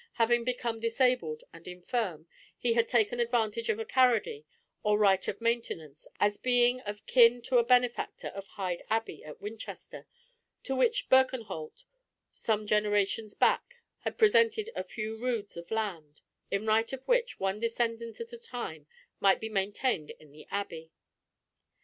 Having become disabled and infirm, he had taken advantage of a corrody, or right of maintenance, as being of kin to a benefactor of Hyde Abbey at Winchester, to which Birkenholt some generations back had presented a few roods of land, in right of which, one descendant at a time might be maintained in the Abbey.